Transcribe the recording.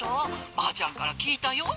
ばあちゃんから聞いたよ？